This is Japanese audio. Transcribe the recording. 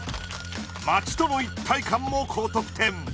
「街との一体感」も高得点。